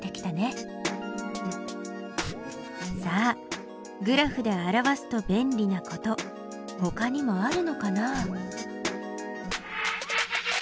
さあグラフで表すと便利なことほかにもあるのかな？